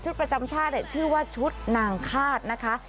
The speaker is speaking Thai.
ประจำชาติชื่อว่าชุดนางคาดนะคะ